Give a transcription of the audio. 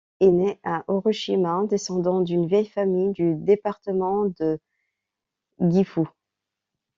Il naît à Hiroshima, descendant d’une vieille famille du département de Gifu.